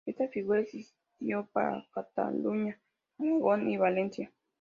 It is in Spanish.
Esta figura existió para Cataluña, Aragón y Valencia.